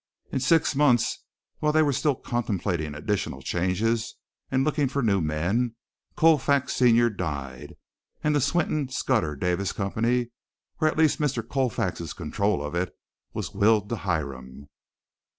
In six months, while they were still contemplating additional changes and looking for new men, Colfax senior died, and the Swinton Scudder Davis Company, or at least Mr. Colfax's control of it, was willed to Hiram.